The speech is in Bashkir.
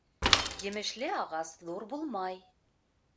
Емешле ағас ҙур булмай.